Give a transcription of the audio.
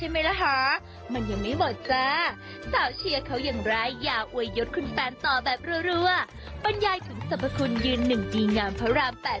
โปรดติดตามตอนต่อไป